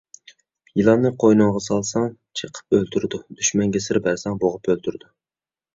يىلاننى قوينۇڭغا سالساڭ، چېقىپ ئۆلتۈرىدۇ، دۈشمەنگە سىر بەرسەڭ بوغۇپ ئۆلتۈرىدۇ.